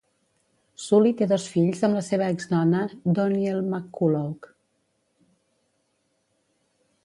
Suli té dos fills amb la seva exdona Donyell McCullough.